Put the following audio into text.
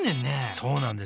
そうなんです。